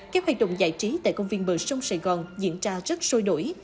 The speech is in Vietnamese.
các hoạt động giải trí tại công viên bờ sông sài gòn diễn ra rất sôi nổi